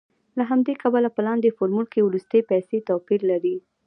له همدې کبله په لاندې فورمول کې وروستۍ پیسې توپیر لري